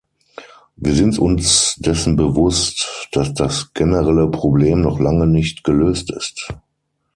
Wir sind uns dessen bewusst, dass das generelle Problem noch lange nicht gelöst ist.